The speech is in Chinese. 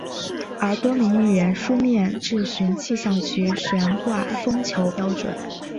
而多名议员书面质询气象局悬挂风球标准。